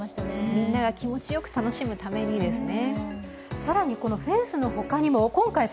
みんなが気持ちよく楽しむためにですね。